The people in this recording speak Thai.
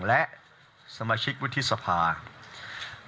และสมาชิกวิทธิศภาพฤทธิศภาพฤทธิศภา